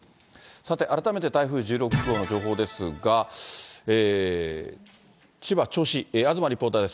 さて、改めて台風１６号の情報ですが、千葉・銚子、東リポーターです。